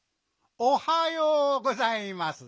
おはようございます。